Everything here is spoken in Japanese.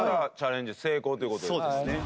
そうですね。